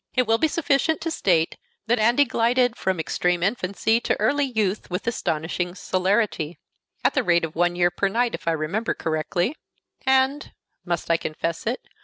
It will be sufficient to state that Andy glided from extreme infancy to early youth with astonishing celerity at the rate of one year per night, if I remember correctly; and must I confess it?